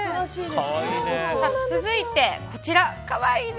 続いて、こちら。